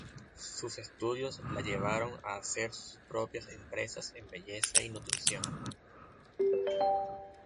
Sus estudios la llevaron a hacer sus propias empresas en belleza y nutrición.